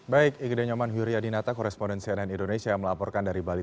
baik ikhlaq nyoman hury adinata koresponden cnn indonesia yang melaporkan dari bali